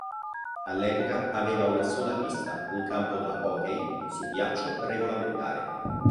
All'epoca aveva una sola pista, un campo da hockey su ghiaccio regolamentare.